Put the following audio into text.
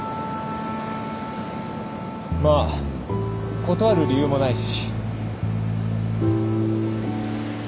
まあ断る理由もないし。